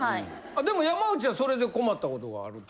でも山内はそれで困ったことがあると。